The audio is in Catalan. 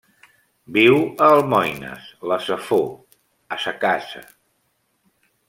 Viu a Almoines, la Safor, a sa casa.